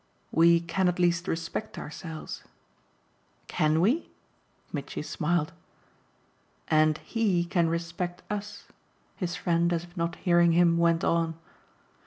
"We can at least respect ourselves." "CAN we?" Mitchy smiled. "And HE can respect us," his friend, as if not hearing him, went on.